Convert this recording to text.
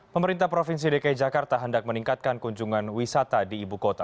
pemerintah provinsi dki jakarta hendak meningkatkan kunjungan wisata di ibu kota